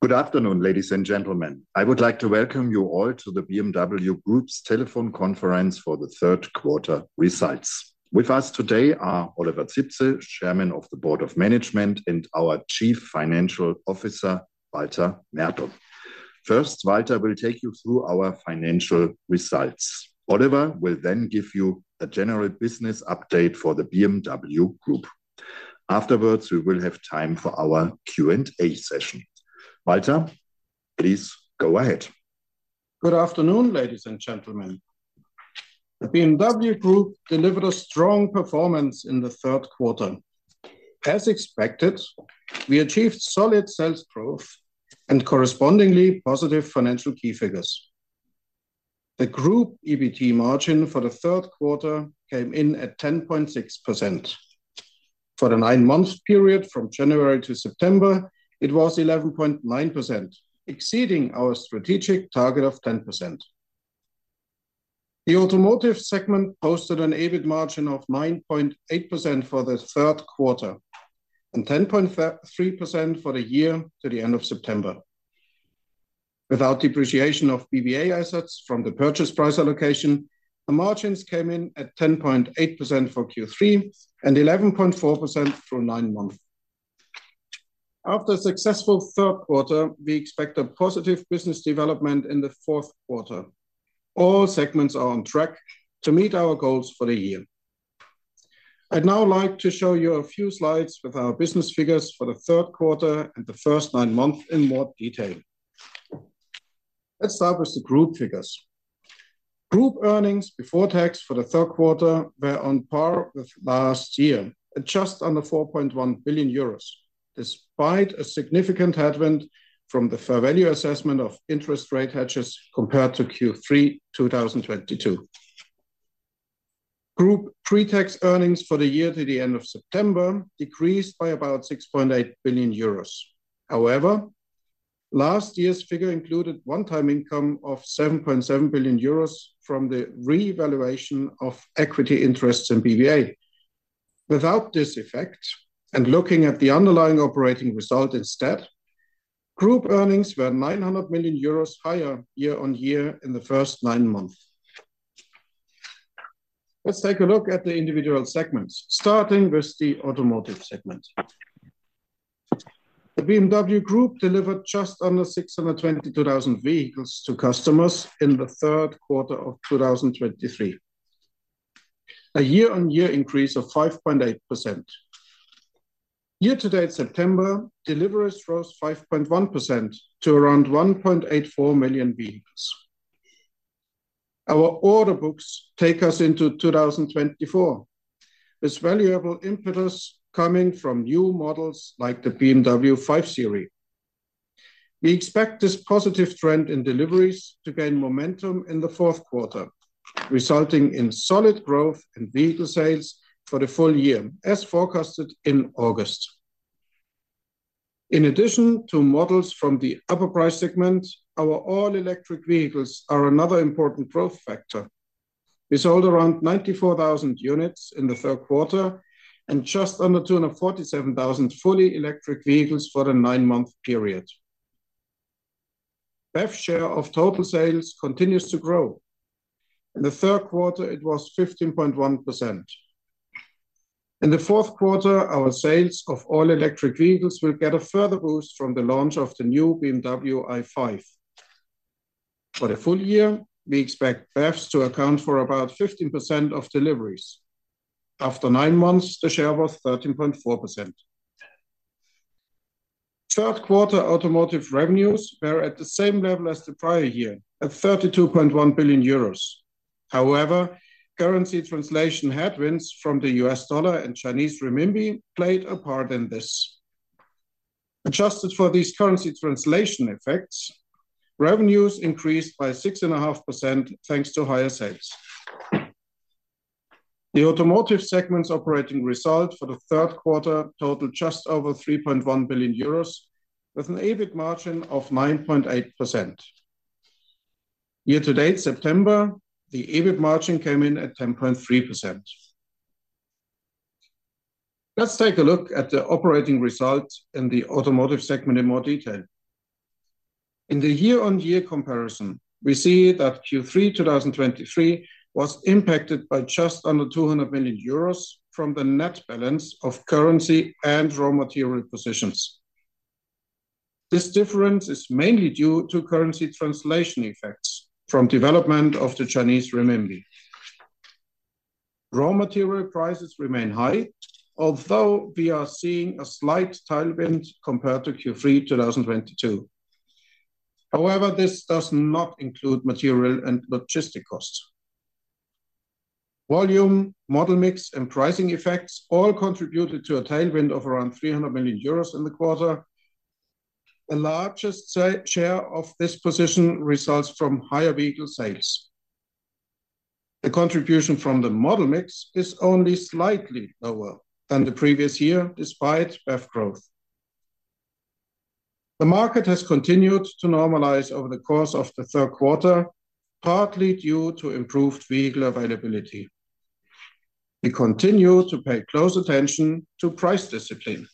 Good afternoon, ladies and gentlemen. I would like to welcome you all to the BMW Group's Telephone Conference for the third quarter results. With us today are Oliver Zipse, Chairman of the Board of Management, and our Chief Financial Officer, Walter Mertl. First, Walter will take you through our financial results. Oliver will then give you a general business update for the BMW Group. Afterwards, we will have time for our Q&A session. Walter, please go ahead. Good afternoon, ladies and gentlemen. The BMW Group delivered a strong performance in the third quarter. As expected, we achieved solid sales growth and correspondingly positive financial key figures. The group EBT margin for the third quarter came in at 10.6%. For the nine-month period from January to September, it was 11.9%, exceeding our strategic target of 10%. The automotive segment posted an EBIT margin of 9.8% for the third quarter, and 10.3% for the year to the end of September. Without depreciation of PVA assets from the purchase price allocation, the margins came in at 10.8% for Q3 and 11.4% for nine months. After a successful third quarter, we expect a positive business development in the fourth quarter. All segments are on track to meet our goals for the year. I'd now like to show you a few slides with our business figures for the third quarter and the first nine months in more detail. Let's start with the group figures. Group earnings before tax for the third quarter were on par with last year, at just under 4.1 billion euros, despite a significant headwind from the fair value assessment of interest rate hedges compared to Q3, 2022. Group pre-tax earnings for the year to the end of September decreased by about 6.8 billion euros. However, last year's figure included one time income of 7.7 billion euros from the revaluation of equity interests in PVA. Without this effect, and looking at the underlying operating result instead, group earnings were 900 million euros higher year-on-year in the first nine months. Let's take a look at the individual segments, starting with the automotive segment. The BMW Group delivered just under 622,000 vehicles to customers in the third quarter of 2023, a year-on-year increase of 5.8%. Year to date September, deliveries rose 5.1% to around 1.84 million vehicles. Our order books take us into 2024, with valuable impetus coming from new models like the BMW 5 Series. We expect this positive trend in deliveries to gain momentum in the fourth quarter, resulting in solid growth in vehicle sales for the full year, as forecasted in August. In addition to models from the upper price segment, our all-electric vehicles are another important growth factor. We sold around 94,000 units in the third quarter and just under 247,000 fully electric vehicles for the nine month period. BEV share of total sales continues to grow. In the third quarter, it was 15.1%. In the fourth quarter, our sales of all-electric vehicles will get a further boost from the launch of the new BMW i5. For the full year, we expect BEVs to account for about 15% of deliveries. After nine months, the share was 13.4%. Third quarter automotive revenues were at the same level as the prior year, at 32.1 billion euros. However, currency translation headwinds from the U.S. dollar and Chinese renminbi played a part in this. Adjusted for these currency translation effects, revenues increased by 6.5%, thanks to higher sales. The automotive segment's operating result for the third quarter totaled just over 3.1 billion euros, with an EBIT margin of 9.8%. Year to date, September, the EBIT margin came in at 10.3%. Let's take a look at the operating results in the automotive segment in more detail. In the year-on-year comparison, we see that Q3, 2023, was impacted by just under 200 million euros from the net balance of currency and raw material positions. This difference is mainly due to currency translation effects from development of the Chinese renminbi. Raw material prices remain high, although we are seeing a slight tailwind compared to Q3, 2022. However, this does not include material and logistics costs. Volume, model mix, and pricing effects all contributed to a tailwind of around 300 million euros in the quarter. The largest share of this position results from higher vehicle sales. The contribution from the model mix is only slightly lower than the previous year, despite BEV growth. The market has continued to normalize over the course of the third quarter, partly due to improved vehicle availability. We continue to pay close attention to price discipline.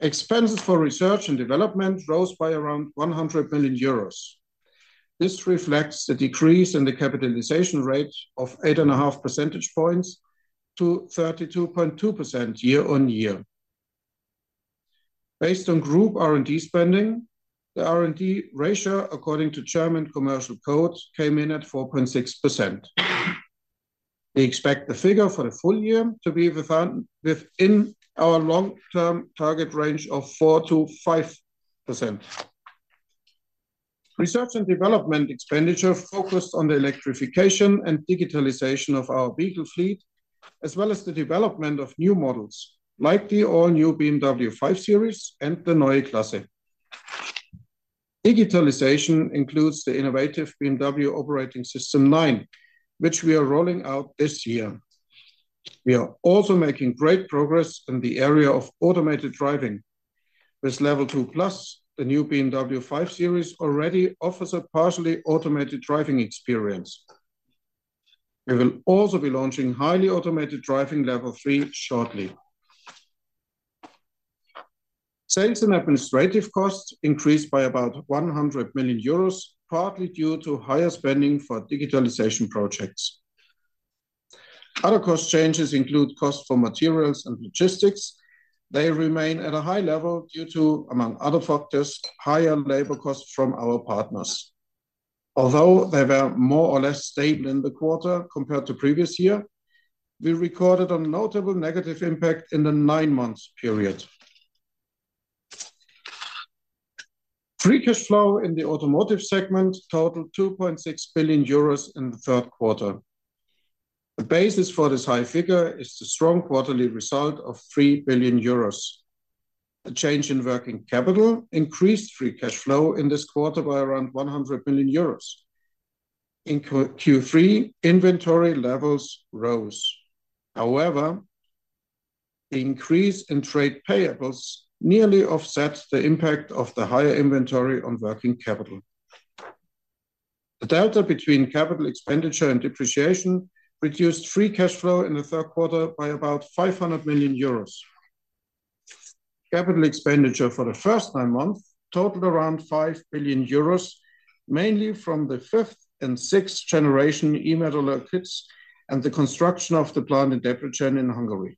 Expenses for research and development rose by around 100 million euros. This reflects the decrease in the capitalization rate of 8.5 percentage points to 32.2% year-on-year. Based on group R&D spending, the R&D ratio, according to German commercial codes, came in at 4.6%. We expect the figure for the full year to be within our long-term target range of 4%-5%. Research and development expenditure focused on the electrification and digitalization of our vehicle fleet, as well as the development of new models, like the all-new BMW 5 Series and the Neue Klasse. Digitalization includes the innovative BMW Operating System 9, which we are rolling out this year. We are also making great progress in the area of automated driving. With Level two Plus, the new BMW 5 Series already offers a partially automated driving experience. We will also be launching highly automated driving Level three shortly. Sales and administrative costs increased by about 100 million euros, partly due to higher spending for digitalization projects. Other cost changes include costs for materials and logistics. They remain at a high level due to, among other factors, higher labor costs from our partners. Although they were more or less stable in the quarter compared to previous year, we recorded a notable negative impact in the nine-month period. Free cash flow in the automotive segment totaled 2.6 billion euros in the third quarter. The basis for this high figure is the strong quarterly result of 3 billion euros. A change in working capital increased free cash flow in this quarter by around 100 million euros. In Q3, inventory levels rose. However, the increase in trade payables nearly offset the impact of the higher inventory on working capital. The delta between capital expenditure and depreciation reduced free cash flow in the third quarter by about 500 million euros. Capital expenditure for the first nine months totaled around 5 billion euros, mainly from the fifth and sixth generation e-motor kits and the construction of the plant in Debrecen in Hungary.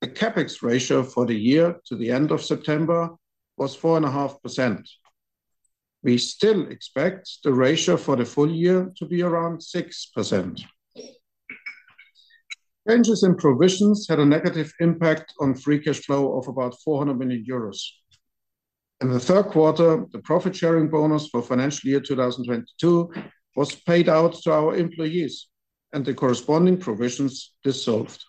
The CapEx ratio for the year to the end of September was 4.5%. We still expect the ratio for the full year to be around 6%. Changes in provisions had a negative impact on free cash flow of about 400 million euros. In the third quarter, the profit-sharing bonus for financial year 2022 was paid out to our employees, and the corresponding provisions dissolved.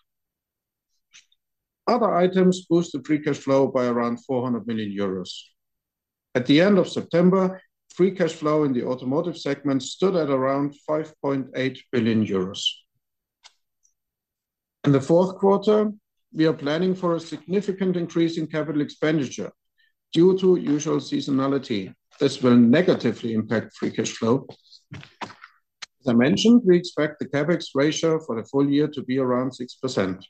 Other items boosted free cash flow by around 400 million euros. At the end of September, free cash flow in the automotive segment stood at around 5.8 billion euros. In the fourth quarter, we are planning for a significant increase in capital expenditure due to usual seasonality. This will negatively impact free cash flow. As I mentioned, we expect the CapEx ratio for the full year to be around 6%.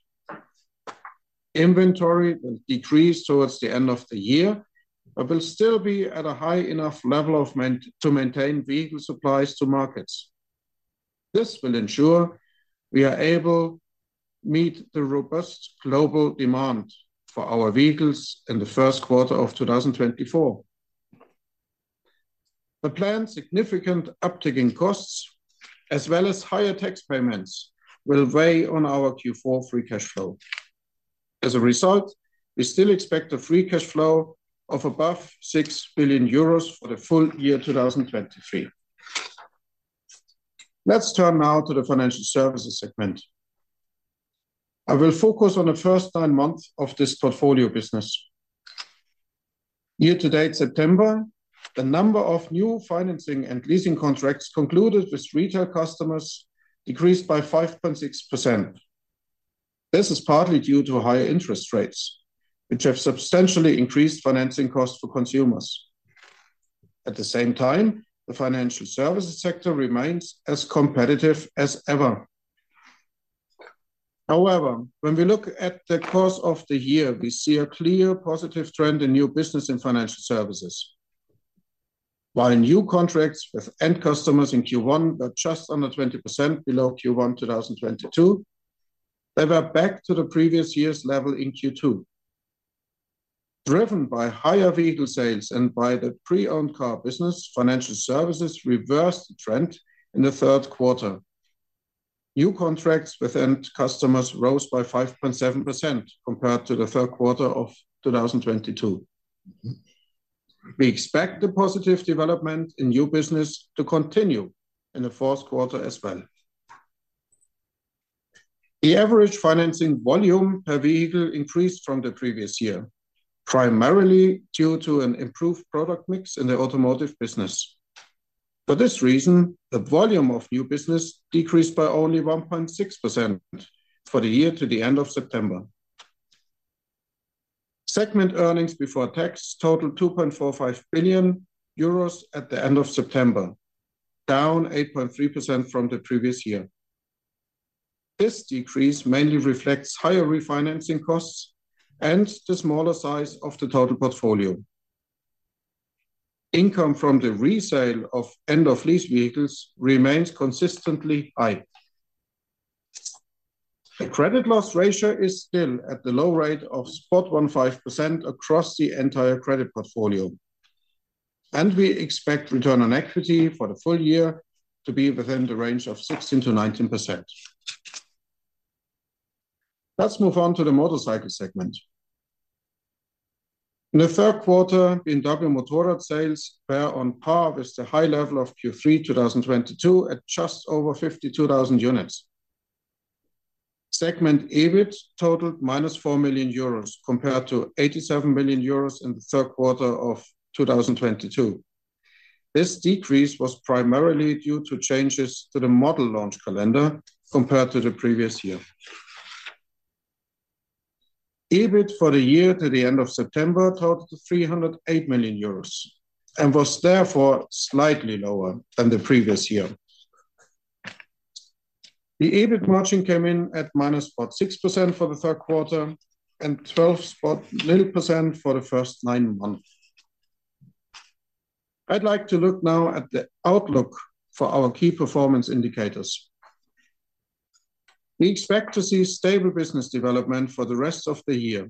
Inventory will decrease towards the end of the year, but will still be at a high enough level to maintain vehicle supplies to markets. This will ensure we are able meet the robust global demand for our vehicles in the first quarter of 2024. The planned significant uptick in costs, as well as higher tax payments, will weigh on our Q4 free cash flow. As a result, we still expect a free cash flow of above 6 billion euros for the full year 2023. Let's turn now to the financial services segment. I will focus on the first nine months of this portfolio business. Year to date, September, the number of new financing and leasing contracts concluded with retail customers decreased by 5.6%. This is partly due to higher interest rates, which have substantially increased financing costs for consumers. At the same time, the financial services sector remains as competitive as ever. However, when we look at the course of the year, we see a clear positive trend in new business and financial services. While new contracts with end customers in Q1 were just under 20% below Q1 2022, they were back to the previous year's level in Q2. Driven by higher vehicle sales and by the pre-owned car business, financial services reversed the trend in the third quarter. New contracts with end customers rose by 5.7% compared to the third quarter of 2022. We expect the positive development in new business to continue in the fourth quarter as well. The average financing volume per vehicle increased from the previous year, primarily due to an improved product mix in the automotive business. For this reason, the volume of new business decreased by only 1.6% for the year to the end of September. Segment earnings before tax totaled 2.45 billion euros at the end of September, down 8.3% from the previous year. This decrease mainly reflects higher refinancing costs and the smaller size of the total portfolio. Income from the resale of end-of-lease vehicles remains consistently high. The credit loss ratio is still at the low rate of 0.15% across the entire credit portfolio, and we expect return on equity for the full year to be within the range of 16%-19%. Let's move on to the motorcycle segment. In the third quarter, BMW Motorrad sales were on par with the high level of Q3 2022, at just over 52,000 units. Segment EBIT totaled -4 million euros, compared to 87 million euros in the third quarter of 2022. This decrease was primarily due to changes to the model launch calendar compared to the previous year. EBIT for the year to the end of September totaled to 308 million euros, and was therefore slightly lower than the previous year. The EBIT margin came in at -0.6% for the third quarter, and 12% for the first nine months. I'd like to look now at the outlook for our key performance indicators. We expect to see stable business development for the rest of the year,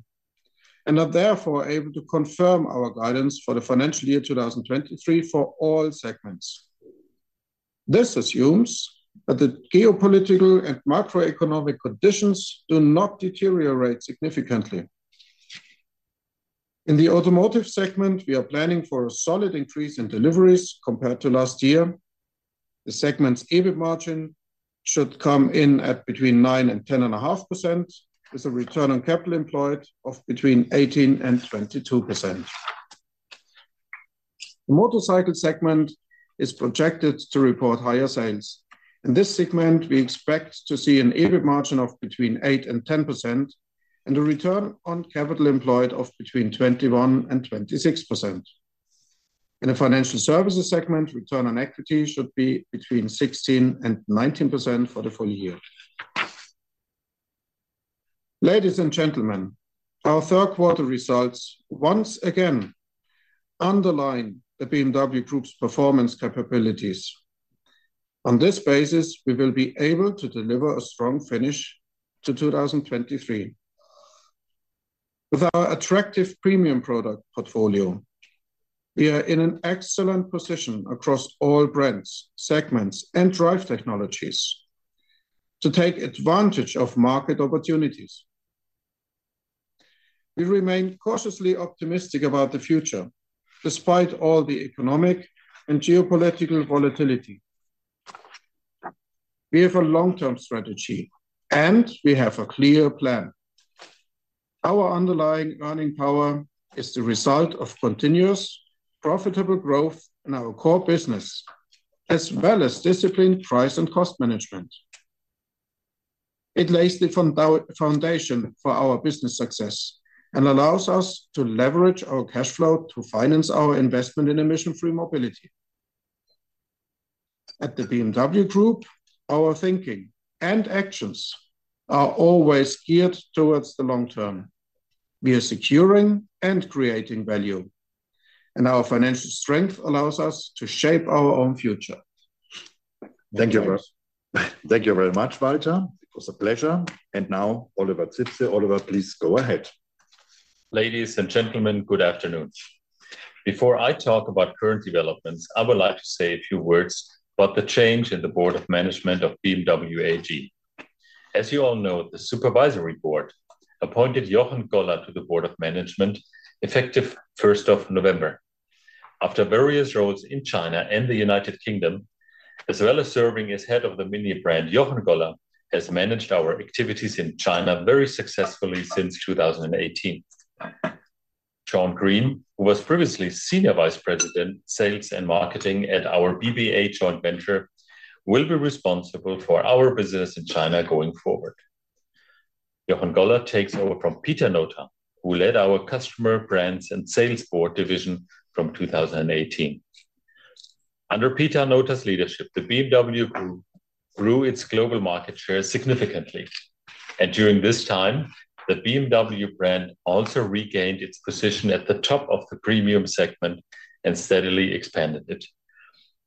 and are therefore able to confirm our guidance for the financial year 2023 for all segments. This assumes that the geopolitical and macroeconomic conditions do not deteriorate significantly. In the automotive segment, we are planning for a solid increase in deliveries compared to last year. The segment's EBIT margin should come in at between 9% and 10.5%, with a return on capital employed of between 18% and 22%. The motorcycle segment is projected to report higher sales. In this segment, we expect to see an EBIT margin of between 8% and 10%, and a return on capital employed of between 21% and 26%. In the financial services segment, return on equity should be between 16% and 19% for the full year. Ladies and gentlemen, our third quarter results once again underline the BMW Group's performance capabilities. On this basis, we will be able to deliver a strong finish to 2023. With our attractive premium product portfolio, we are in an excellent position across all brands, segments, and drive technologies to take advantage of market opportunities. We remain cautiously optimistic about the future, despite all the economic and geopolitical volatility. We have a long-term strategy, and we have a clear plan. Our underlying earning power is the result of continuous, profitable growth in our core business, as well as disciplined price and cost management. It lays the foundation for our business success and allows us to leverage our cash flow to finance our investment in emission-free mobility. At the BMW Group, our thinking and actions are always geared towards the long term. We are securing and creating value, and our financial strength allows us to shape our own future. Thank you very- Thank you very much, Walter. It was a pleasure. And now Oliver Zipse. Oliver, please go ahead. Ladies and gentlemen, good afternoon. Before I talk about current developments, I would like to say a few words about the change in the Board of Management of BMW AG. As you all know, the Supervisory Board appointed Jochen Goller to the Board of Management, effective first of November. After various roles in China and the United Kingdom, as well as serving as head of the MINI brand, Jochen Goller has managed our activities in China very successfully since 2018. Sean Green, who was previously Senior Vice President, Sales and Marketing at our BBA joint venture, will be responsible for our business in China going forward. Jochen Goller takes over from Pieter Nota, who led our Customer, Brands and Sales Board division from 2018. Under Pieter Nota's leadership, the BMW Group grew its global market share significantly, and during this time, the BMW brand also regained its position at the top of the premium segment and steadily expanded it.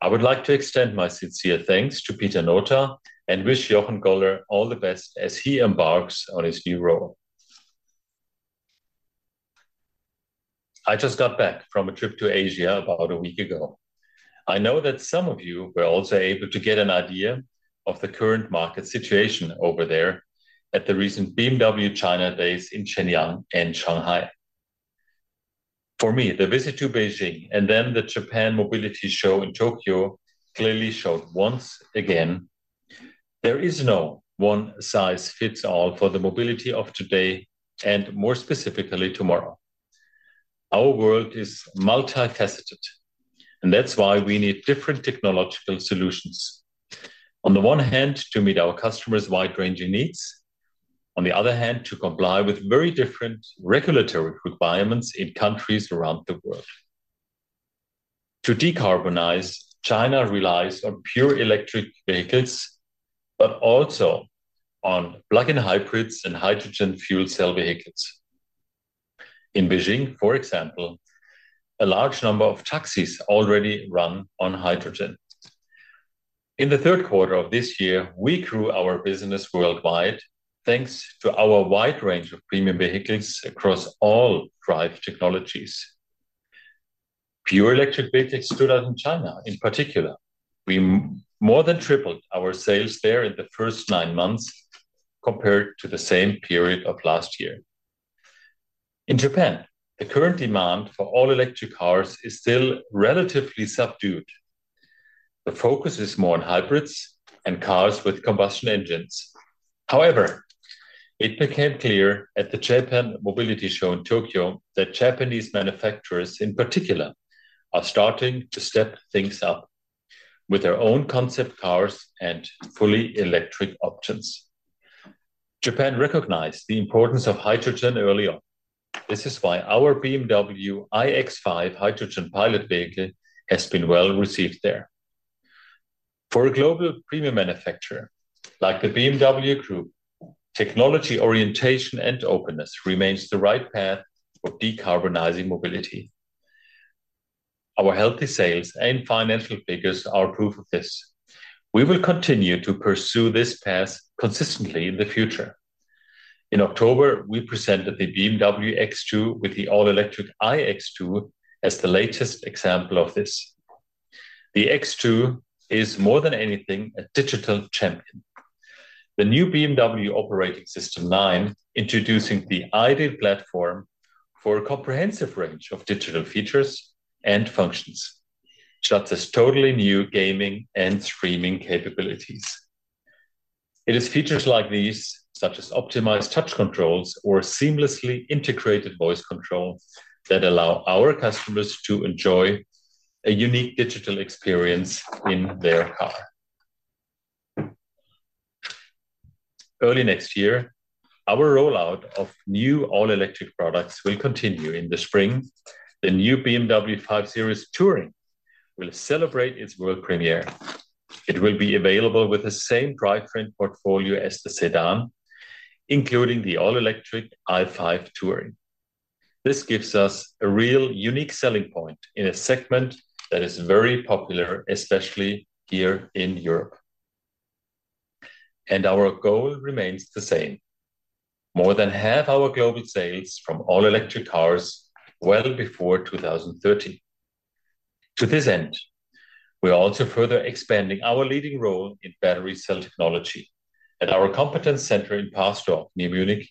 I would like to extend my sincere thanks to Pieter Nota and wish Jochen Goller all the best as he embarks on his new role. I just got back from a trip to Asia about a week ago. I know that some of you were also able to get an idea of the current market situation over there at the recent BMW China Days in Shenyang and Shanghai. For me, the visit to Beijing and then the Japan Mobility Show in Tokyo clearly showed once again, there is no one-size-fits-all for the mobility of today, and more specifically, tomorrow. Our world is multifaceted, and that's why we need different technological solutions. On the one hand, to meet our customers' wide-ranging needs, on the other hand, to comply with very different regulatory requirements in countries around the world. To decarbonize, China relies on pure electric vehicles, but also on plug-in hybrids and hydrogen fuel cell vehicles. In Beijing, for example, a large number of taxis already run on hydrogen. In the third quarter of this year, we grew our business worldwide, thanks to our wide range of premium vehicles across all drive technologies. Pure electric vehicles stood out in China, in particular. We more than tripled our sales there in the first nine months compared to the same period of last year. In Japan, the current demand for all-electric cars is still relatively subdued. The focus is more on hybrids and cars with combustion engines. However, it became clear at the Japan Mobility Show in Tokyo, that Japanese manufacturers, in particular, are starting to step things up with their own concept cars and fully electric options. Japan recognized the importance of hydrogen early on. This is why our BMW iX5 Hydrogen pilot vehicle has been well received there. For a global premium manufacturer like the BMW Group, technology orientation and openness remains the right path for decarbonizing mobility. Our healthy sales and financial figures are proof of this. We will continue to pursue this path consistently in the future. In October, we presented the BMW X2 with the all-electric iX2 as the latest example of this. The X2 is more than anything, a digital champion. The new BMW Operating System 9, introducing the ideal platform for a comprehensive range of digital features and functions, such as totally new gaming and streaming capabilities. It is features like these, such as optimized touch controls or seamlessly integrated voice control, that allow our customers to enjoy a unique digital experience in their car. Early next year, our rollout of new all-electric products will continue. In the spring, the new BMW 5 Series Touring will celebrate its world premiere. It will be available with the same drivetrain portfolio as the sedan, including the all-electric i5 Touring. This gives us a real unique selling point in a segment that is very popular, especially here in Europe. And our goal remains the same: more than half our global sales from all-electric cars well before 2030. To this end, we are also further expanding our leading role in battery cell technology. At our competence center in Parsdorf, near Munich,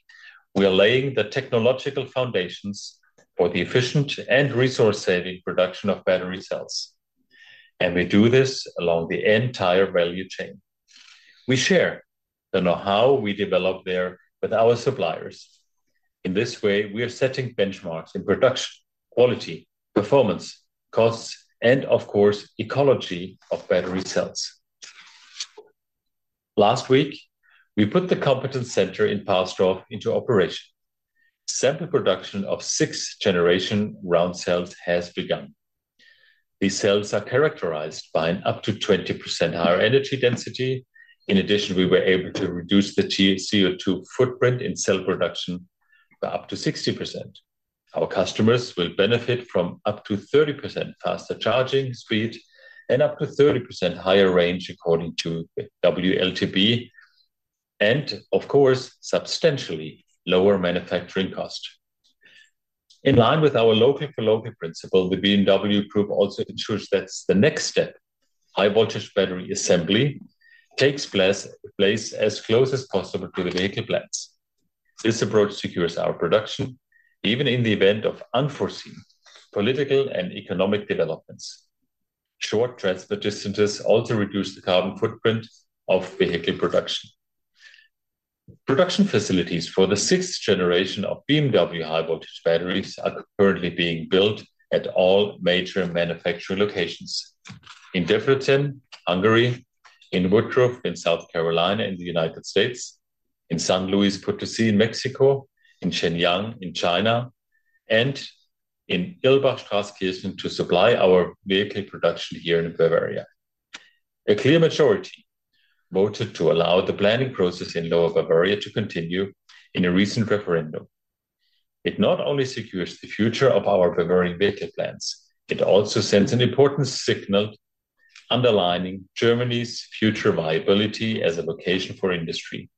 we are laying the technological foundations for the efficient and resource-saving production of battery cells, and we do this along the entire value chain. We share the know-how we develop there with our suppliers. In this way, we are setting benchmarks in production, quality, performance, costs, and of course, ecology of battery cells. Last week, we put the competence center in Parsdorf into operation. Sample production of 6th-generation round cells has begun. These cells are characterized by an up to 20% higher energy density. In addition, we were able to reduce the tCO2 footprint in cell production by up to 60%. Our customers will benefit from up to 30% faster charging speed and up to 30% higher range, according to the WLTP, and of course, substantially lower manufacturing cost. In line with our local philosophy principle, the BMW Group also ensures that the next step, high-voltage battery assembly, takes place as close as possible to the vehicle plants. This approach secures our production, even in the event of unforeseen political and economic developments. Short transport distances also reduce the carbon footprint of vehicle production. Production facilities for the 6th-generation of BMW high-voltage batteries are currently being built at all major manufacturing locations: in Debrecen, Hungary, in Woodruff, in South Carolina, in the United States, in San Luis Potosí, in Mexico, in Shenyang, in China, and in Irlbach-Straßkirchen, to supply our vehicle production here in Bavaria. A clear majority voted to allow the planning process in Lower Bavaria to continue in a recent referendum. It not only secures the future of our Bavarian vehicle plants, it also sends an important signal underlining Germany's future viability as a location for industry.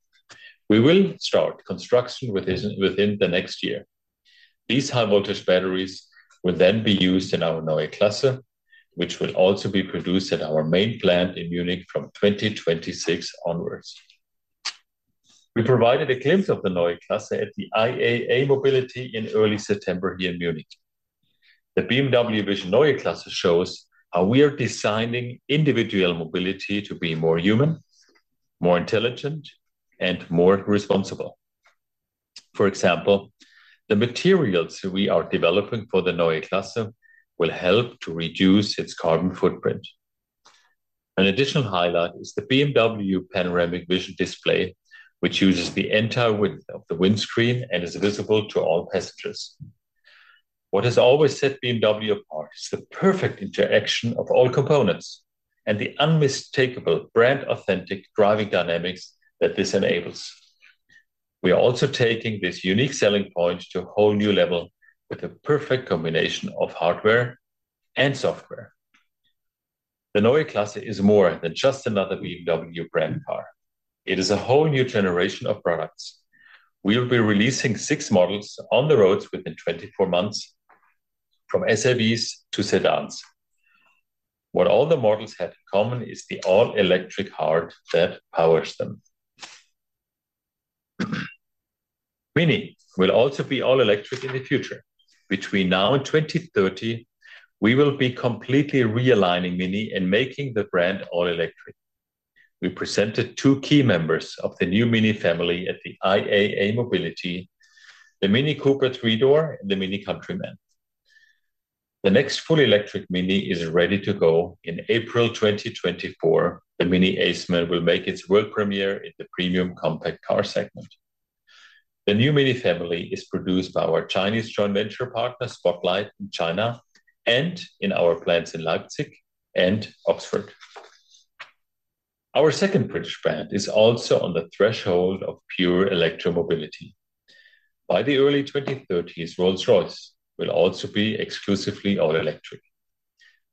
We will start construction within the next year. These high-voltage batteries will then be used in our Neue Klasse, which will also be produced at our main plant in Munich from 2026 onwards. We provided a glimpse of the Neue Klasse at the IAA Mobility in early September here in Munich. The BMW Vision Neue Klasse shows how we are designing individual mobility to be more human, more intelligent and more responsible. For example, the materials we are developing for the Neue Klasse will help to reduce its carbon footprint. An additional highlight is the BMW Panoramic Vision display, which uses the entire width of the windscreen and is visible to all passengers. What has always set BMW apart is the perfect interaction of all components, and the unmistakable brand authentic driving dynamics that this enables. We are also taking this unique selling point to a whole new level with a perfect combination of hardware and software. The Neue Klasse is more than just another BMW brand car. It is a whole new generation of products. We'll be releasing six models on the roads within 24 months, from SUVs to sedans. What all the models have in common is the all-electric heart that powers them. MINI will also be all-electric in the future. Between now and 2030, we will be completely realigning MINI and making the brand all-electric. We presented two key members of the new MINI family at the IAA Mobility, the MINI Cooper three-door and the MINI Countryman. The next fully electric MINI is ready to go in April 2024. The MINI Aceman will make its world premiere in the premium compact car segment. The new MINI family is produced by our Chinese joint venture partner, Spotlight, in China, and in our plants in Leipzig and Oxford. Our second British brand is also on the threshold of pure electro mobility. By the early 2030s, Rolls-Royce will also be exclusively all electric.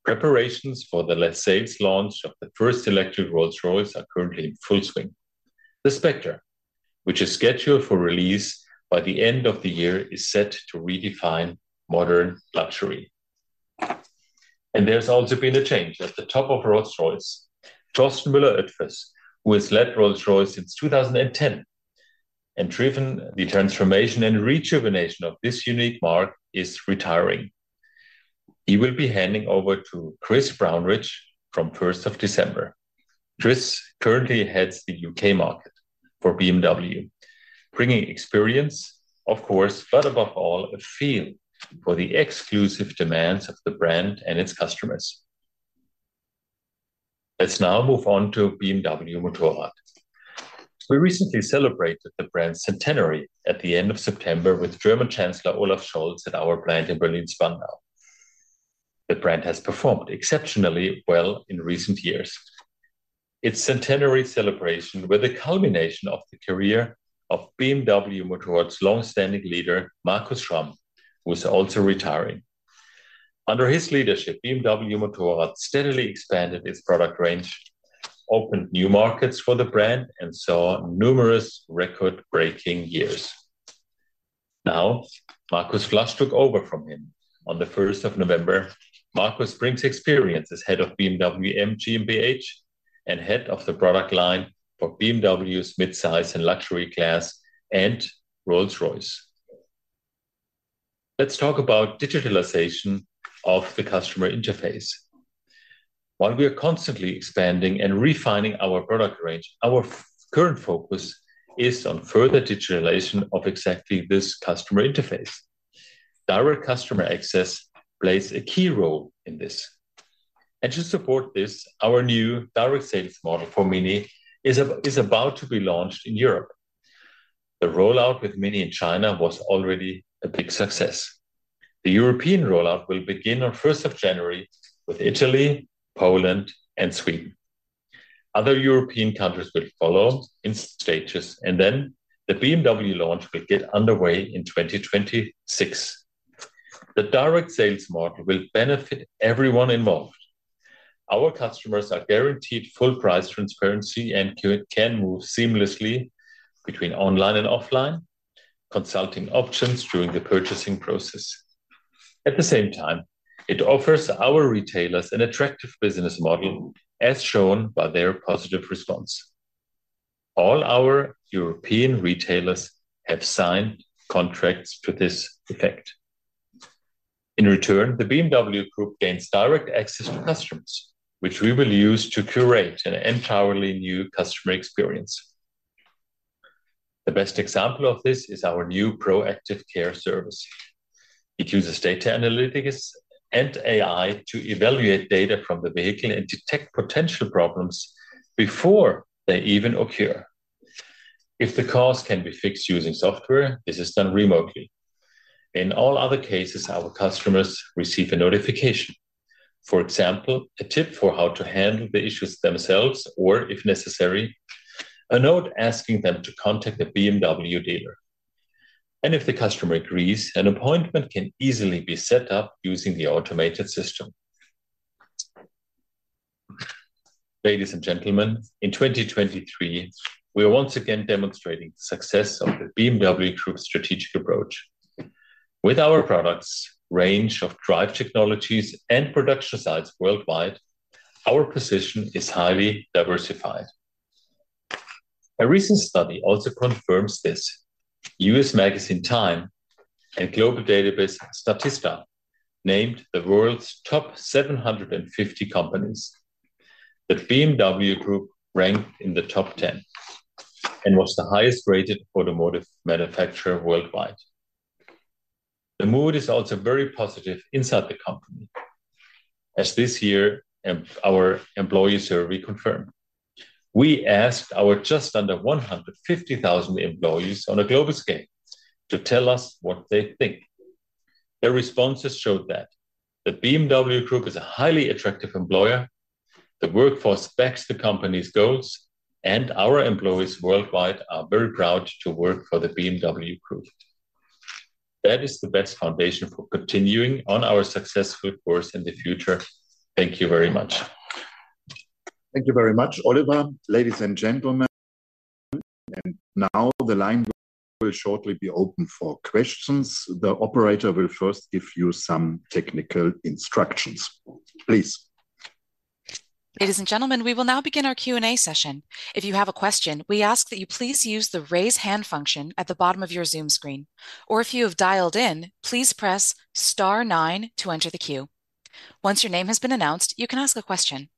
Preparations for the sales launch of the first electric Rolls-Royce are currently in full swing. The Spectre, which is scheduled for release by the end of the year, is set to redefine modern luxury. There's also been a change at the top of Rolls-Royce. Torsten Müller-Ötvös, who has led Rolls-Royce since 2010, and driven the transformation and rejuvenation of this unique marque, is retiring. He will be handing over to Chris Brownridge from first of December. Chris currently heads the UK market for BMW, bringing experience, of course, but above all, a feel for the exclusive demands of the brand and its customers. Let's now move on to BMW Motorrad. We recently celebrated the brand's centenary at the end of September with German Chancellor Olaf Scholz at our plant in Berlin-Spandau. The brand has performed exceptionally well in recent years. Its centenary celebration were the culmination of the career of BMW Motorrad's long-standing leader, Markus Schramm, who is also retiring. Under his leadership, BMW Motorrad steadily expanded its product range, opened new markets for the brand, and saw numerous record-breaking years. Now, Markus Flasch took over from him on the first of November. Markus brings experience as head of BMW M GmbH and head of the product line for BMW's mid-size and luxury class and Rolls-Royce. Let's talk about digitalization of the customer interface. While we are constantly expanding and refining our product range, our current focus is on further digitalization of exactly this customer interface. Direct customer access plays a key role in this, and to support this, our new direct sales model for MINI is about to be launched in Europe. The rollout with MINI in China was already a big success. The European rollout will begin on first of January with Italy, Poland, and Sweden. Other European countries will follow in stages, and then the BMW launch will get underway in 2026. The direct sales model will benefit everyone involved. Our customers are guaranteed full price transparency and can move seamlessly between online and offline, consulting options during the purchasing process. At the same time, it offers our retailers an attractive business model, as shown by their positive response. All our European retailers have signed contracts to this effect. In return, the BMW Group gains direct access to customers, which we will use to curate an entirely new customer experience. The best example of this is our new Proactive Care service. It uses data analytics and AI to evaluate data from the vehicle and detect potential problems before they even occur. If the cause can be fixed using software, this is done remotely. In all other cases, our customers receive a notification. For example, a tip for how to handle the issues themselves, or, if necessary, a note asking them to contact a BMW dealer. If the customer agrees, an appointment can easily be set up using the automated system. Ladies and gentlemen, in 2023, we are once again demonstrating the success of the BMW Group's strategic approach. With our products, range of drive technologies, and production sites worldwide, our position is highly diversified. A recent study also confirms this. U.S. magazine Time and global database Statista named the world's top 750 companies. The BMW Group ranked in the top 10, and was the highest rated automotive manufacturer worldwide. The mood is also very positive inside the company, as this year, our employee survey confirmed. We asked our just under 150,000 employees on a global scale to tell us what they think. Their responses showed that the BMW Group is a highly attractive employer, the workforce backs the company's goals, and our employees worldwide are very proud to work for the BMW Group. That is the best foundation for continuing on our successful course in the future. Thank you very much. Thank you very much, Oliver. Ladies and gentlemen, and now the line will shortly be open for questions. The operator will first give you some technical instructions. Please. Ladies and gentlemen, we will now begin our Q&A session. If you have a question, we ask that you please use the Raise Hand function at the bottom of your Zoom screen, or if you have dialed in, please press star nine to enter the queue. Once your name has been announced, you can ask a question.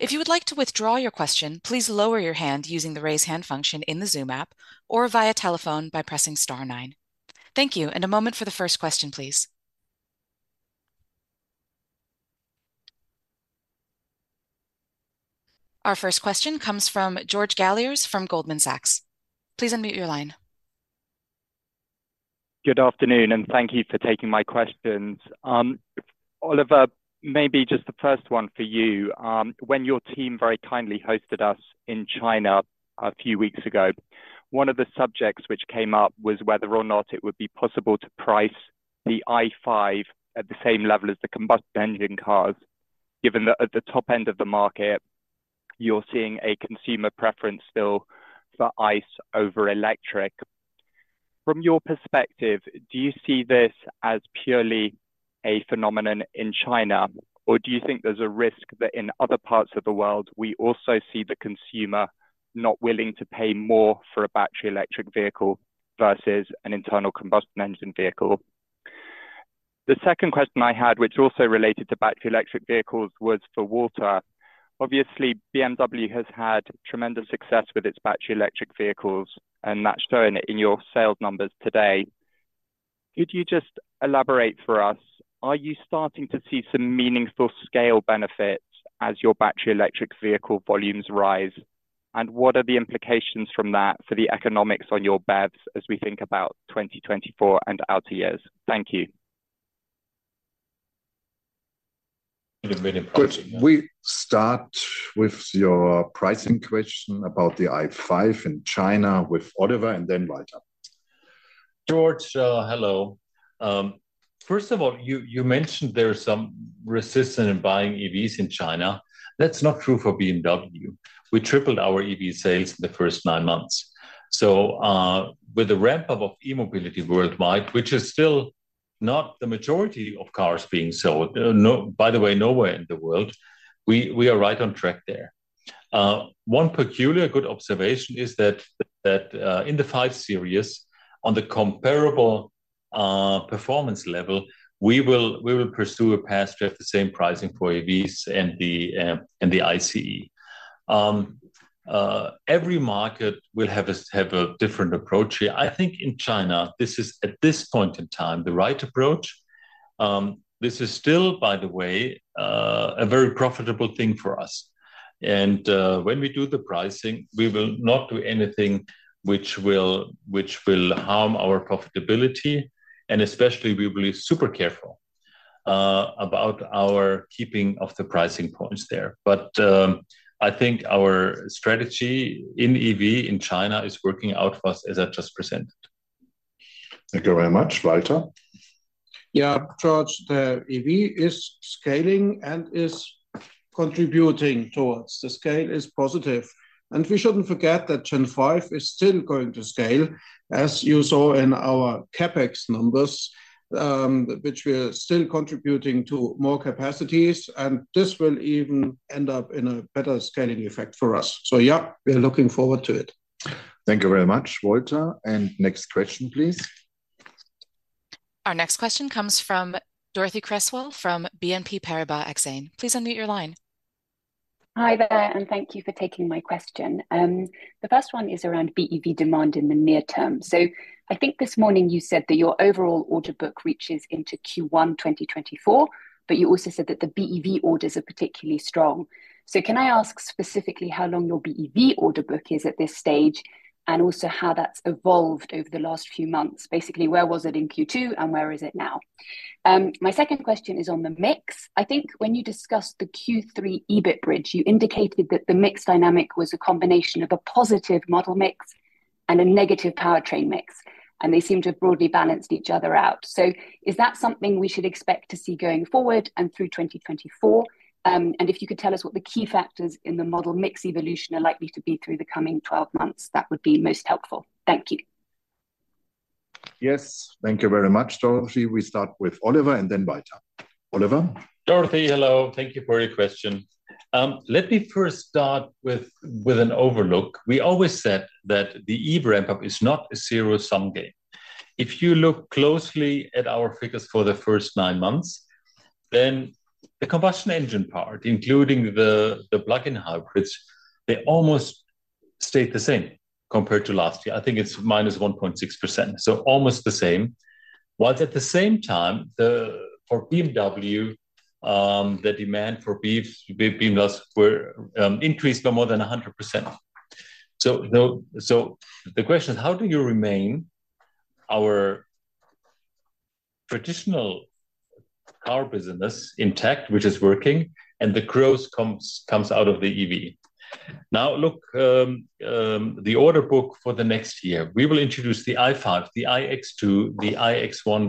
If you would like to withdraw your question, please lower your hand using the Raise Hand function in the Zoom app or via telephone by pressing star nine. Thank you, and a moment for the first question, please. Our first question comes from George Galliers from Goldman Sachs. Please unmute your line. Good afternoon, and thank you for taking my questions. Oliver, maybe just the first one for you. When your team very kindly hosted us in China a few weeks ago, one of the subjects which came up was whether or not it would be possible to price the i5 at the same level as the combustion engine cars, given that at the top end of the market, you're seeing a consumer preference still for ICE over electric. From your perspective, do you see this as purely a phenomenon in China, or do you think there's a risk that in other parts of the world, we also see the consumer not willing to pay more for a battery electric vehicle versus an internal combustion engine vehicle? The second question I had, which also related to battery electric vehicles, was for Walter. Obviously, BMW has had tremendous success with its battery electric vehicles, and that's shown in your sales numbers today. Could you just elaborate for us, are you starting to see some meaningful scale benefits as your battery electric vehicle volumes rise? And what are the implications from that for the economics on your BEVs as we think about 2024 and outer years? Thank you. We start with your pricing question about the i5 in China with Oliver, and then Walter. George, hello. First of all, you mentioned there is some resistance in buying EVs in China. That's not true for BMW. We tripled our EV sales in the first nine months. So, with the ramp up of e-mobility worldwide, which is still not the majority of cars being sold, by the way, nowhere in the world, we are right on track there. One peculiar good observation is that in the i5 series, on the comparable performance level, we will pursue a path to have the same pricing for EVs and the and the ICE. Every market will have a different approach here. I think in China, this is at this point in time the right approach. This is still, by the way, a very profitable thing for us, and when we do the pricing, we will not do anything which will harm our profitability, and especially, we will be super careful about our keeping of the pricing points there. But I think our strategy in EV in China is working out for us, as I just presented. Thank you very much. Walter? Yeah, George, the EV is scaling and is contributing towards. The scale is positive, and we shouldn't forget that Gen 5 is still going to scale, as you saw in our CapEx numbers, which we are still contributing to more capacities, and this will even end up in a better scaling effect for us. So yeah, we are looking forward to it. Thank you very much, Walter. Next question, please. Our next question comes from Dorothee Cresswell, from BNP Paribas Exane. Please unmute your line. Hi there, and thank you for taking my question. The first one is around BEV demand in the near term. So I think this morning you said that your overall order book reaches into Q1 2024, but you also said that the BEV orders are particularly strong. So can I ask specifically how long your BEV order book is at this stage, and also how that's evolved over the last few months? Basically, where was it in Q2, and where is it now? My second question is on the mix. I think when you discussed the Q3 EBIT bridge, you indicated that the mix dynamic was a combination of a positive model mix and a negative powertrain mix, and they seem to have broadly balanced each other out. So is that something we should expect to see going forward and through 2024? If you could tell us what the key factors in the model mix evolution are likely to be through the coming 12 months, that would be most helpful. Thank you. Yes. Thank you very much, Dorothee. We start with Oliver and then Walter, Oliver? Dorothee, hello. Thank you for your question. Let me first start with an overlook. We always said that the EV ramp-up is not a zero-sum game. If you look closely at our figures for the first nine months, then the combustion engine part, including the plug-in hybrids, they almost stayed the same compared to last year. I think it's -1.6%, so almost the same. Whilst at the same time, for BMW, the demand for BEVs. BMW BEVs were increased by more than 100%. So the question is: how do you remain our traditional car business intact, which is working, and the growth comes out of the EV? Now, look, the order book for the next year, we will introduce the i5, the iX2, the iX1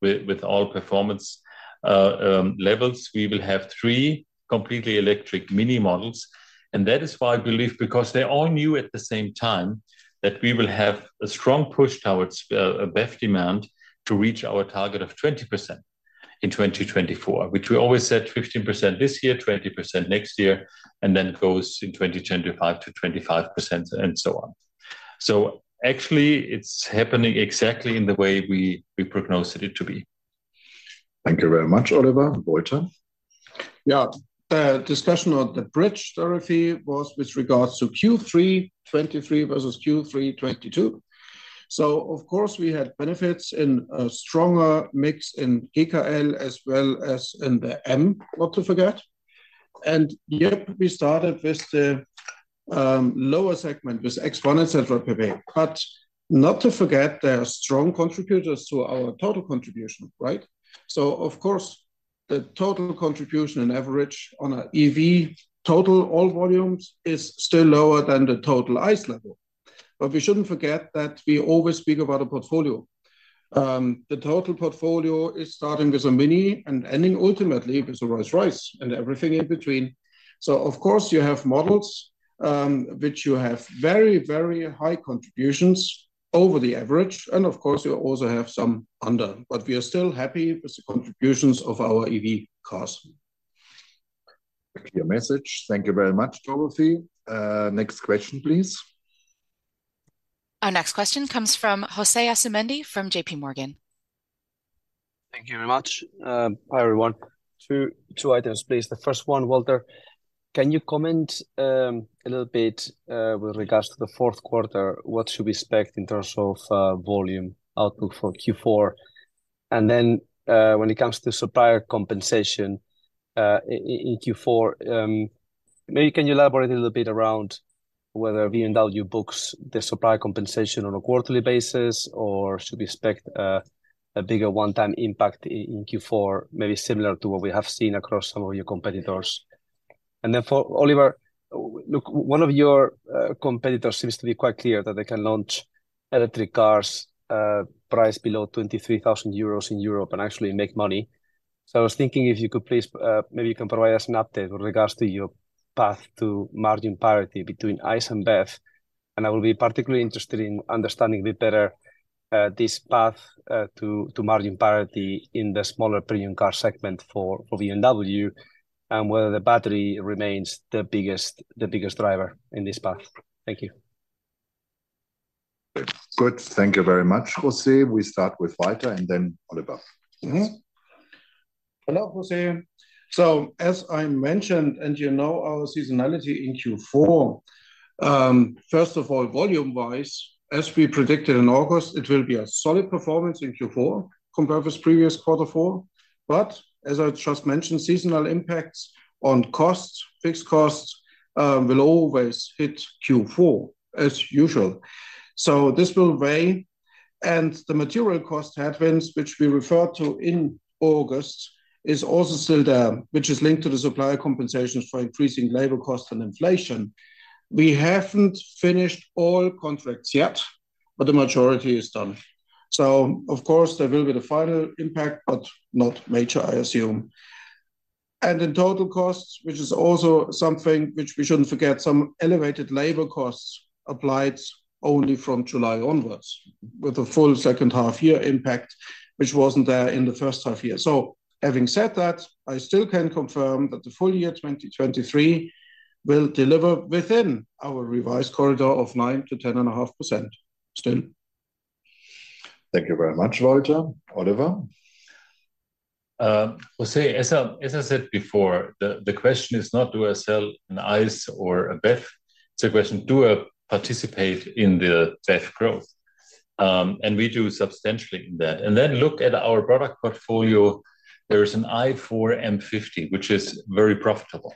with all performance levels. We will have three completely electric mini models, and that is why I believe, because they're all new at the same time, that we will have a strong push towards a BEV demand to reach our target of 20% in 2024, which we always said 15% this year, 20% next year, and then it goes in 2025 to 25%, and so on. So actually, it's happening exactly in the way we prognosed it to be. Thank you very much, Oliver. Walter? Yeah. The discussion on the bridge, Dorothee, was with regards to Q3 2023 versus Q3 2022. So of course, we had benefits in a stronger mix in GKL as well as in the M, not to forget. And yep, we started with the, lower segment, with X1, et cetera, per se, but not to forget, they are strong contributors to our total contribution, right? So of course, the total contribution and average on a EV total, all volumes, is still lower than the total ICE level. But we shouldn't forget that we always speak about a portfolio. The total portfolio is starting with a mini and ending ultimately with a Rolls-Royce, and everything in between. So of course, you have models, which you have very, very high contributions over the average, and of course, you also have some under. But we are still happy with the contributions of our EV cars. Clear message. Thank you very much, Dorothee. Next question, please. Our next question comes from José Asumendi from JP Morgan. Thank you very much. Hi, everyone. Two items, please. The first one, Walter: can you comment a little bit with regards to the fourth quarter, what should we expect in terms of volume output for Q4? And then, when it comes to supplier compensation in Q4, maybe can you elaborate a little bit around whether BMW books the supplier compensation on a quarterly basis, or should we expect a bigger one-time impact in Q4, maybe similar to what we have seen across some of your competitors? And then for Oliver, look, one of your competitors seems to be quite clear that they can launch electric cars priced below 23,000 euros in Europe and actually make money. So I was thinking if you could please, maybe you can provide us an update with regards to your path to margin parity between ICE and BEV, and I will be particularly interested in understanding a bit better, this path, to, to margin parity in the smaller premium car segment for, for BMW, and whether the battery remains the biggest, the biggest driver in this path. Thank you. Good. Thank you very much, José. We start with Walter, and then Oliver. Mm-hmm. Hello, José. So as I mentioned, and you know, our seasonality in Q4, first of all, volume-wise, as we predicted in August, it will be a solid performance in Q4 compared with previous quarter four. But as I just mentioned, seasonal impacts on costs, fixed costs, will always hit Q4 as usual. So this will weigh, and the material cost headwinds, which we referred to in August, is also still there, which is linked to the supplier compensations for increasing labor costs and inflation. We haven't finished all contracts yet, but the majority is done. So of course, there will be the final impact, but not major, I assume. And in total costs, which is also something which we shouldn't forget, some elevated labor costs applied only from July onwards, with a full second half year impact, which wasn't there in the first half year. Having said that, I still can confirm that the full year 2023 will deliver within our revised corridor of 9%-10.5% still. Thank you very much, Walter. Oliver? José, as I said before, the question is not do I sell an ICE or a BEV? It's a question, do I participate in the BEV growth? And we do substantially in that. And then look at our product portfolio. There is an i4 M50, which is very profitable.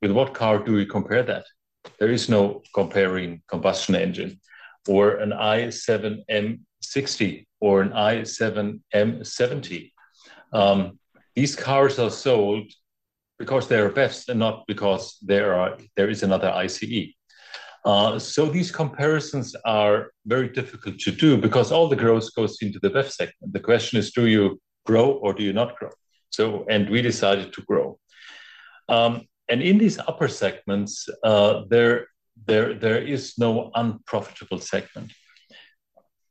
With what car do we compare that? There is no comparing combustion engine. Or an i7 M60 or an i7 M70, these cars are sold because they are BEVs and not because there is another ICE. So these comparisons are very difficult to do because all the growth goes into the BEV segment. The question is, do you grow or do you not grow? And we decided to grow. And in these upper segments, there is no unprofitable segment.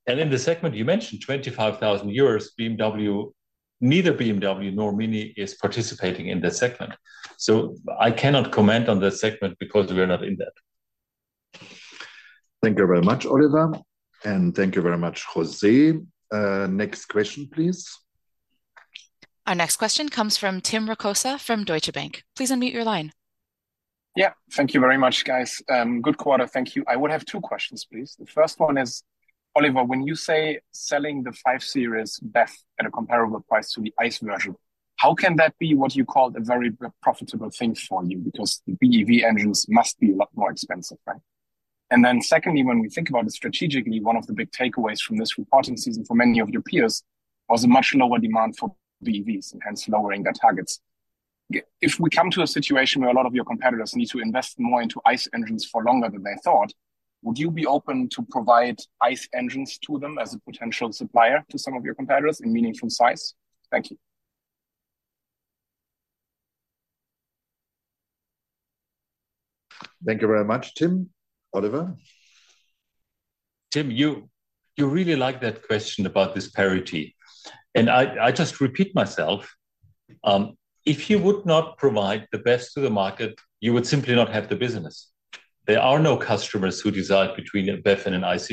In the segment you mentioned, 25,000 euros, BMW, neither BMW nor MINI is participating in that segment. So I cannot comment on that segment because we are not in that. Thank you very much, Oliver, and thank you very much, José. Next question, please. Our next question comes from Tim Rokossa from Deutsche Bank. Please unmute your line. Yeah, Thank you very much, guys. Good quarter. Thank you. I would have two questions, please. The first one is, Oliver, when you say selling the 5 Series BEV at a comparable price to the ICE version, how can that be what you call a very profitable thing for you? Because the BEV engines must be a lot more expensive, right? And then secondly, when we think about it strategically, one of the big takeaways from this reporting season for many of your peers was a much lower demand for BEVs, and hence lowering their targets. If we come to a situation where a lot of your competitors need to invest more into ICE engines for longer than they thought, would you be open to provide ICE engines to them as a potential supplier to some of your competitors in meaningful size? Thank you. Thank you very much, Tim. Oliver? Tim, you really like that question about this parity, and I just repeat myself, if you would not provide the best to the market, you would simply not have the business. There are no customers who decide between a BEV and an ICE.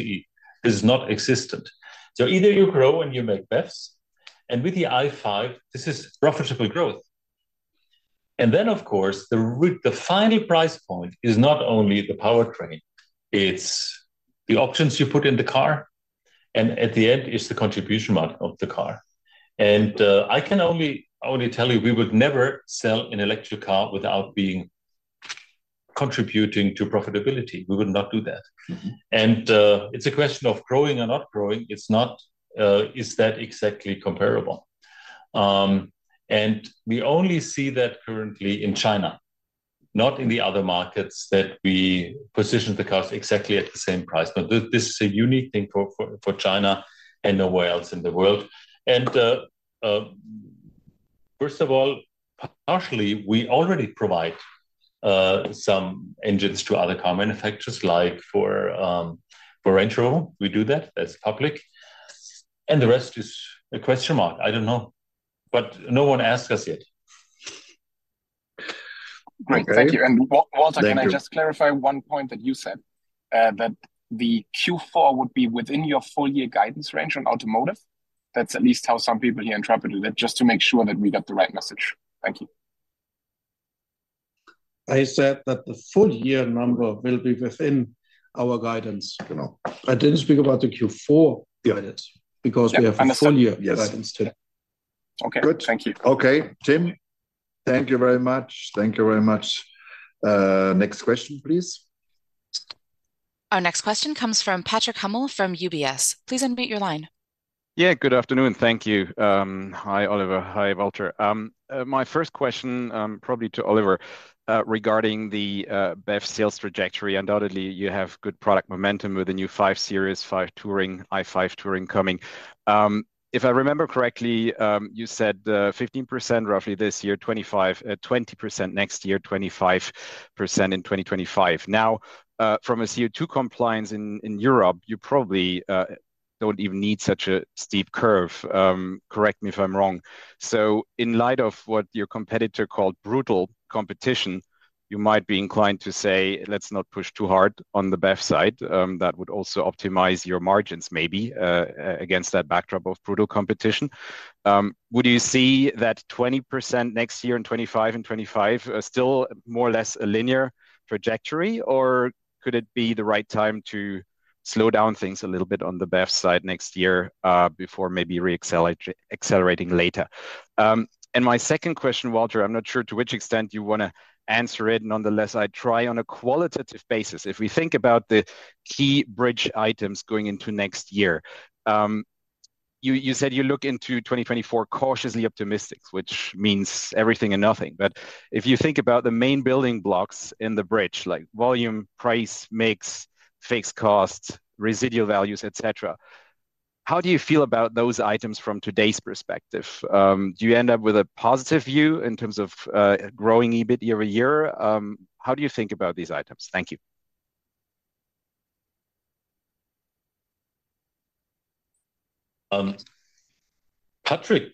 This is not existent. So either you grow and you make BEVs, and with the i5, this is profitable growth. And then, of course, the final price point is not only the powertrain, it's the options you put in the car, and at the end, it's the contribution margin of the car. And I can only tell you, we would never sell an electric car without being contributing to profitability. We would not do that. It's a question of growing or not growing. It's not, is that exactly comparable? We only see that currently in China, not in the other markets, that we position the cars exactly at the same price. But this, this is a unique thing for, for, for China and nowhere else in the world. First of all, partially, we already provide some engines to other car manufacturers, like for, for Range Rover, we do that, that's public, and the rest is a question mark. I don't know, but no one asked us yet. Great. Thank you. Walter, can I just clarify one point that you said, that the Q4 would be within your full year guidance range on automotive? That's at least how some people here interpreted it, just to make sure that we got the right message. Thank you. I said that the full year number will be within our guidance. You know, I didn't speak about the Q4 guidance. Yeah, understood Because we have a full year guidance too. Okay. Good. Thank you. Okay, Tim, thank you very much. Thank you very much. Next question, please. Our next question comes from Patrick Hummel from UBS. Please unmute your line. Yeah, good afternoon. Thank you. Hi, Oliver. Hi, Walter. My first question, probably to Oliver, regarding the BEV sales trajectory. Undoubtedly, you have good product momentum with the new 5 Series, 5 Touring, i5 Touring coming. If I remember correctly, you said, 15% roughly this year 25%, 20% next year, 25% in 2025. Now, from a CO2 compliance in Europe, you probably don't even need such a steep curve. Correct me if I'm wrong. So in light of what your competitor called brutal competition, you might be inclined to say, "Let's not push too hard on the BEV side." That would also optimize your margins, maybe, against that backdrop of brutal competition. Would you see that 20% next year and 25% in 2025 are still more or less a linear trajectory, or could it be the right time to slow down things a little bit on the BEV side next year, before maybe reaccelerate, accelerating later? And my second question, Walter, I'm not sure to which extent you want to answer it, nonetheless, I try on a qualitative basis. If we think about the key bridge items going into next year, you said you look into 2024 cautiously optimistic, which means everything and nothing. But if you think about the main building blocks in the bridge, like volume, price, mix, fixed costs, residual values, et cetera, how do you feel about those items from today's perspective? Do you end up with a positive view in terms of growing EBIT year-over-year? How do you think about these items? Thank you. Patrick,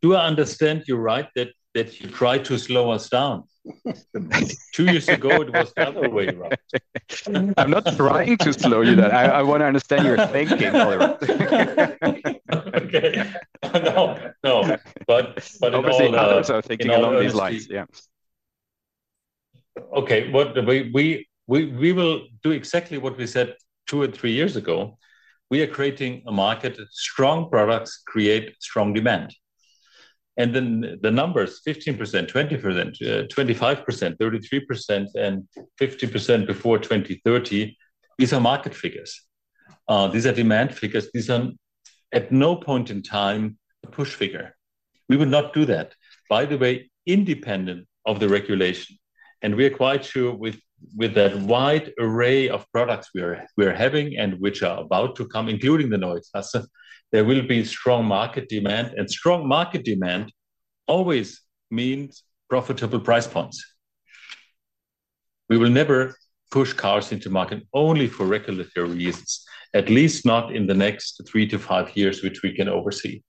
do I understand you right, that you try to slow us down? Two years ago, it was the other way around. I'm not trying to slow you down. I want to understand your thinking, Oliver. Okay. No, no, but, but- Obviously, others are thinking along these lines, yeah. Okay. What we will do exactly what we said two or three years ago. We are creating a market. Strong products create strong demand. And then the numbers, 15%, 20%, 25%, 33%, and 50% before 2030, these are market figures. These are demand figures. These are at no point in time a push figure. We would not do that, by the way, independent of the regulation. And we are quite sure with that wide array of products we are having, and which are about to come, including the Neue Klasse, there will be strong market demand, and strong market demand always means profitable price points. We will never push cars into market only for regulatory reasons, at least not in the next three to five years, which we can oversee.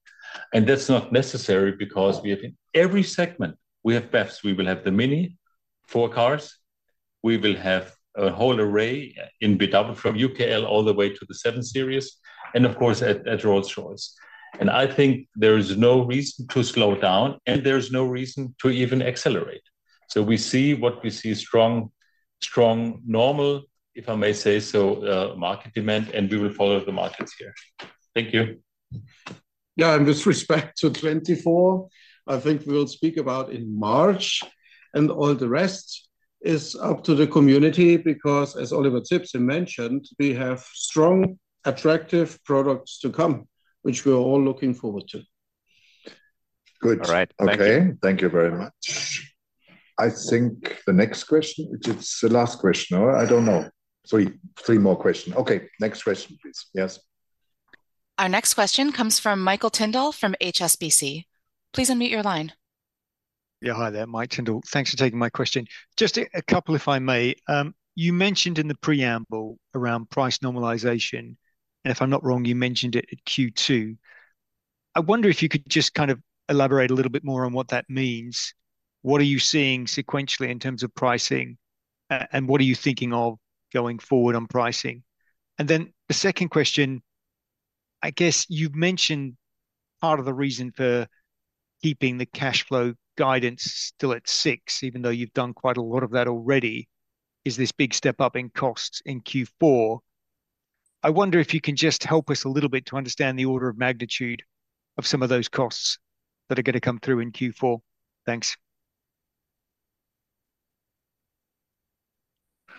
That's not necessary, because we have in every segment, we have BEVs. We will have the MINI for cars, we will have a whole array in BMW from UKL all the way to the 7 Series, and of course, at Rolls-Royce. And I think there is no reason to slow down, and there's no reason to even accelerate. So we see what we see strong, strong, normal, if I may say so, market demand, and we will follow the markets here. Thank you. Yeah, and with respect to 2024, I think we'll speak about in March, and all the rest is up to the community, because as Oliver Zipse mentioned, we have strong, attractive products to come, which we are all looking forward to. Good. All right. Okay, thank you very much. I think the next question, it's the last question, or I don't know. Three, three more question. Okay, next question, please. Yes. Our next question comes from Michael Tyndall from HSBC. Please unmute your line. Yeah, hi there, Mike Tyndall. Thanks for taking my question. Just a couple, if I may. You mentioned in the preamble around price normalization, and if I'm not wrong, you mentioned it at Q2. I wonder if you could just kind of elaborate a little bit more on what that means. What are you seeing sequentially in terms of pricing, and what are you thinking of going forward on pricing? And then the second question, I guess you've mentioned part of the reason for keeping the cash flow guidance still at six, even though you've done quite a lot of that already, is this big step up in costs in Q4. I wonder if you can just help us a little bit to understand the order of magnitude of some of those costs that are gonna come through in Q4. Thanks.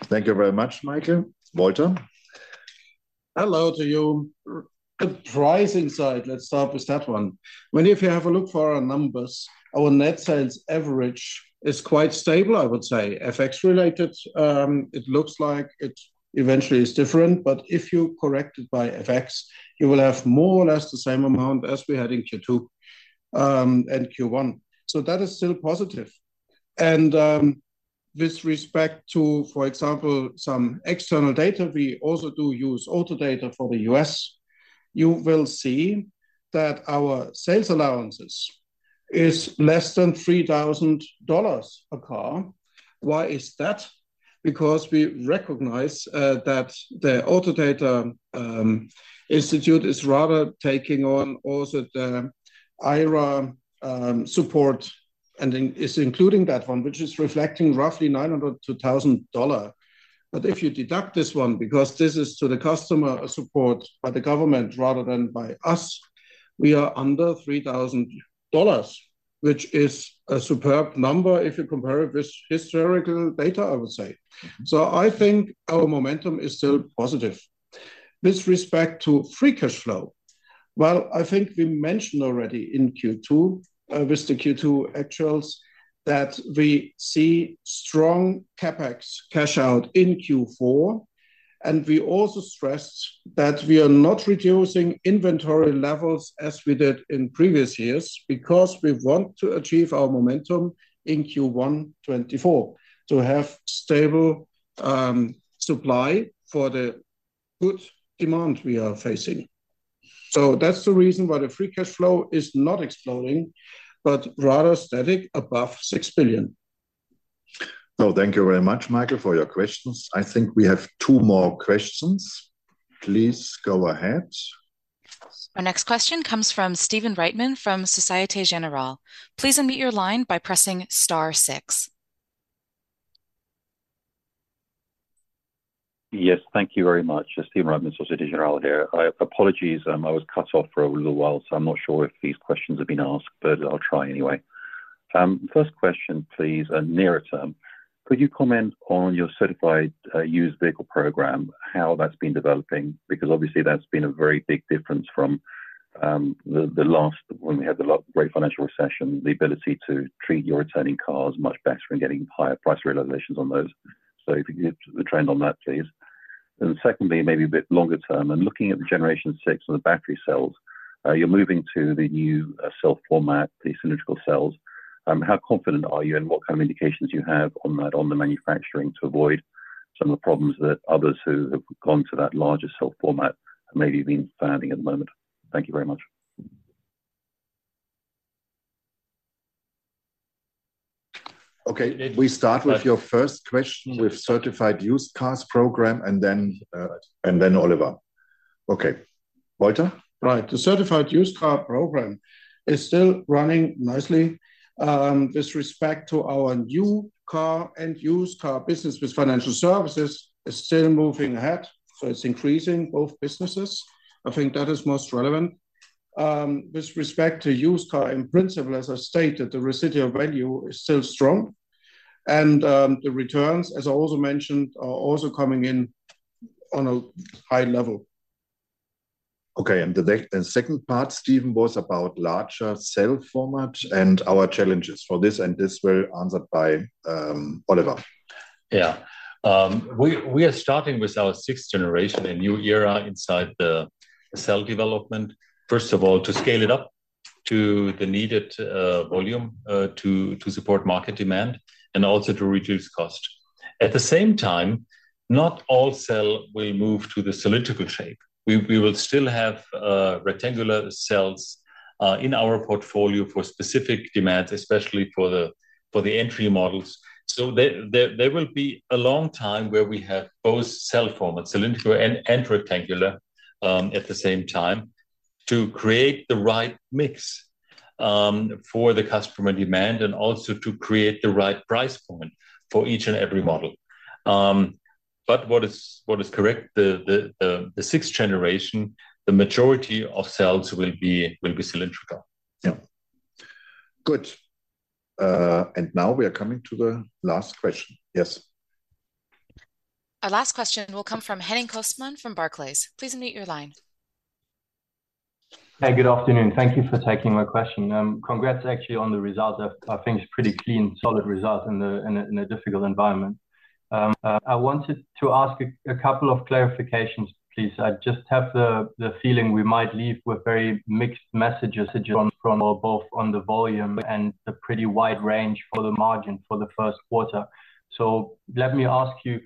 Thank you very much, Michael. Walter? Hello to you. The pricing side, let's start with that one. I mean, if you have a look for our numbers, our net sales average is quite stable, I would say. FX-related, it looks like it eventually is different, but if you correct it by FX, you will have more or less the same amount as we had in Q2 and Q1, so that is still positive. With respect to, for example, some external data, we also do use Autodata for the U.S.. You will see that our sales allowances is less than $3,000 a car. Why is that? Because we recognize that the Autodata institute is rather taking on also the IRA support, and is including that one, which is reflecting roughly $900-$1,000. But if you deduct this one, because this is to the customer, a support by the government rather than by us, we are under $3,000, which is a superb number if you compare it with historical data, I would say. So I think our momentum is still positive. With respect to free cash flow, well, I think we mentioned already in Q2, with the Q2 actuals, that we see strong CapEx cash out in Q4, and we also stressed that we are not reducing inventory levels as we did in previous years, because we want to achieve our momentum in Q1 2024, to have stable, supply for the good demand we are facing. So that's the reason why the free cash flow is not exploding, but rather static above 6 billion. Well, thank you very much, Michael, for your questions. I think we have two more questions. Please go ahead. Our next question comes from Stephen Reitman from Société Générale. Please unmute your line by pressing star six. Yes, thank you very much. Stephen Reitman, Société Générale here. I apologize, I was cut off for a little while, so I'm not sure if these questions have been asked, but I'll try anyway. First question, please, and nearer term, could you comment on your certified used vehicle program, how that's been developing? Because obviously, that's been a very big difference from the last, when we had the great financial recession, the ability to treat your returning cars much better and getting higher price realizations on those. So if you could give the trend on that, please. And secondly, maybe a bit longer term, and looking at the Generation 6 and the battery cells, you're moving to the new cell format, the cylindrical cells. How confident are you, and what kind of indications do you have on that, on the manufacturing to avoid some of the problems that others who have gone to that larger cell format may be facing at the moment? Thank you very much. Okay, we start with your first question with certified used cars program, and then, and then Oliver. Okay. Walter? Right. The certified used car program is still running nicely. With respect to our new car and used car business with financial services, it's still moving ahead, so it's increasing both businesses. I think that is most relevant. With respect to used car, in principle, as I stated, the residual value is still strong, and the returns, as I also mentioned, are also coming in on a high level. Okay, and the second part, Stephen, was about larger cell format and our challenges for this, and this will be answered by Oliver. Yeah. We are starting with our 6th-generation, a new era inside the cell development. First of all, to scale it up to the needed volume, to support market demand and also to reduce cost. At the same time, not all cell will move to the cylindrical shape. We will still have rectangular cells in our portfolio for specific demands, especially for the entry models. So there will be a long time where we have both cell formats, cylindrical and rectangular, at the same time, to create the right mix for the customer demand and also to create the right price point for each and every model. But what is correct, the sixth generation, the majority of cells will be cylindrical. Yeah. Good. Now we are coming to the last question. Yes? Our last question will come from Henning Cosman from Barclays. Please unmute your line. Hey, good afternoon. Thank you for taking my question. Congrats actually on the results. I think it's pretty clean, solid results in a difficult environment. I wanted to ask a couple of clarifications, please. I just have the feeling we might leave with very mixed messages from both on the volume and the pretty wide range for the margin for the first quarter. So let me ask you,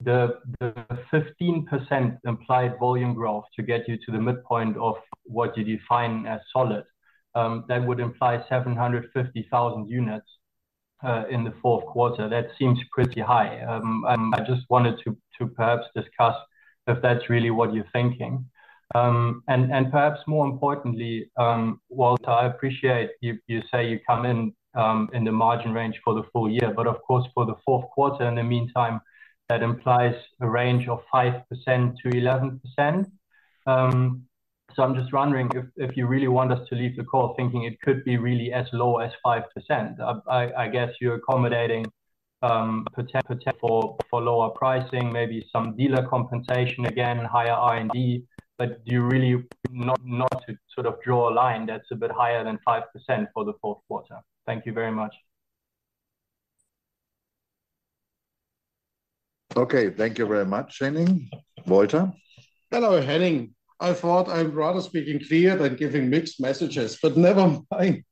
the 15% implied volume growth to get you to the midpoint of what you define as solid, that would imply 750,000 units in the fourth quarter. That seems pretty high. I just wanted to perhaps discuss if that's really what you're thinking. Perhaps more importantly, Walter, I appreciate you say you come in in the margin range for the full year, but of course, for the fourth quarter, in the meantime, that implies a range of 5%-11%. So I'm just wondering if you really want us to leave the call thinking it could be really as low as 5%. I guess you're accommodating potential for lower pricing, maybe some dealer compensation again, and higher R&D. But do you really not to sort of draw a line that's a bit higher than 5% for the fourth quarter? Thank you very much. Okay. Thank you very much, Henning. Walter? Hello, Henning. I thought I'm rather speaking clear than giving mixed messages, but never mind.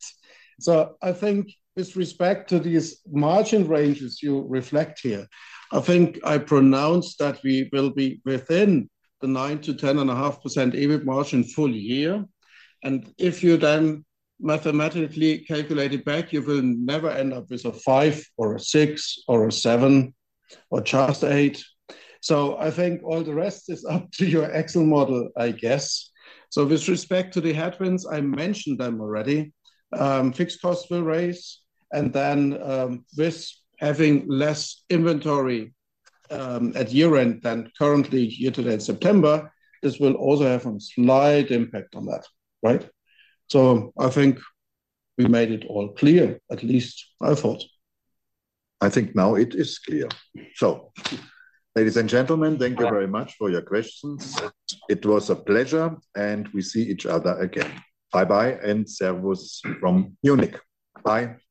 I think with respect to these margin ranges you reflect here, I think I pronounced that we will be within the 9%-10.5% EBIT margin full year. And if you then mathematically calculate it back, you will never end up with a five or a six or a seven or just eight. So I think all the rest is up to your Excel model, I guess. So with respect to the headwinds, I mentioned them already, fixed cost will raise, and then, with having less inventory, at year-end than currently here today in September, this will also have a slight impact on that, right? So I think we made it all clear, at least I thought. I think now it is clear. So ladies and gentlemen, thank you very much for your questions. It was a pleasure, and we see each other again. Bye-bye, and servus from Munich. Bye.